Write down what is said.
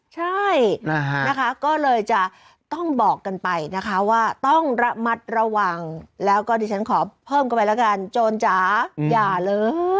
ใช่นะคะก็เลยจะต้องบอกกันไปนะคะว่าต้องระมัดระวังแล้วก็ดิฉันขอเพิ่มเข้าไปแล้วกันโจรจ๋าอย่าเลย